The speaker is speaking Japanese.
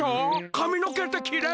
かみのけってきれるの？